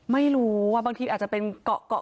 ไม่รู้ว่าบางทีอาจจะเป็นเกาะ